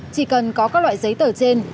chỉ cần có các loại giấy tờ trên